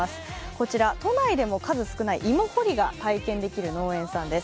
こちら、都内でも数少ない芋掘りが体験できる農園さんです。